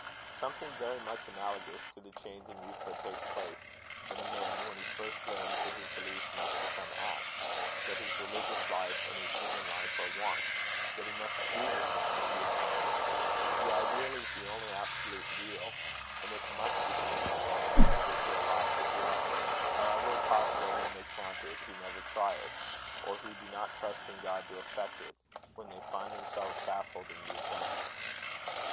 Something very much analogous to the change in Euphra takes place in a man when he first learns that his beliefs must become acts; that his religious life and his human life are one; that he must do the thing that he admires. The Ideal is the only absolute Real; and it must become the Real in the individual life as well, however impossible they may count it who never try it, or who do not trust in God to effect it, when they find themselves baffled in the attempt.